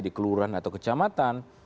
di kelurahan atau kecamatan